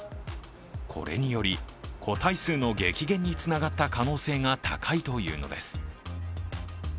これにより、個体数の激減につながった可能性が高いというのです。